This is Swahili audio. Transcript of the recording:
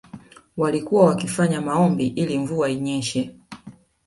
Walikuwa wakija kufanya maombi ili mvua inyeshe